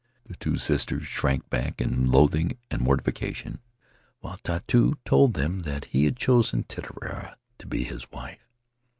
The two sisters shrank back in loathing and mortification, while Tautu told them that he had chosen Ti tiara to be his wife."